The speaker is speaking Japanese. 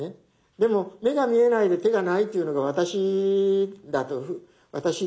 でも目が見えないで手がないというのが私だと私らなんですよ。